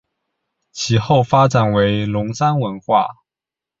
其后发展为龙山文化。